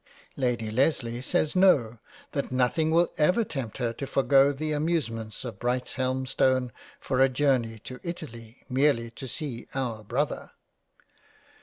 Lady Lesley says no, that nothing will ever tempt her to forego the Amusements of Brighthelmstone for a Journey to Italy merely to see our Brother.